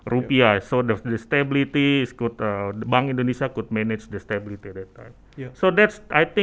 jadi stabilitasnya bank indonesia bisa mengurus stabilitasnya pada saat itu